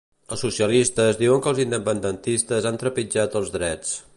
Els socialistes diuen que els independentistes han trepitjat els drets.